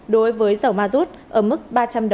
đối với dầu ma rút ở mức ba trăm linh đồng